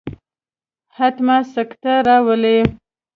حتما سکته راولي.